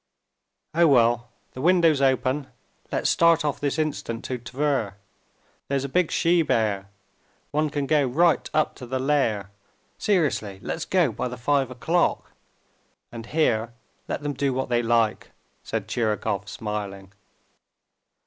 "Oh, well, the window's open. Let's start off this instant to Tver! There's a big she bear; one can go right up to the lair. Seriously, let's go by the five o'clock! And here let them do what they like," said Tchirikov, smiling.